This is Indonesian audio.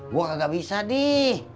gue gak bisa dih